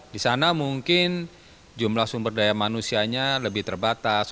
di sana mungkin jumlah sumber daya manusianya lebih terbatas